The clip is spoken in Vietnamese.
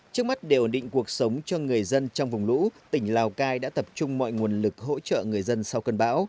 trước mắt để ổn định cuộc sống cho người dân trong vùng lũ tỉnh lào cai đã tập trung mọi nguồn lực hỗ trợ người dân sau cơn bão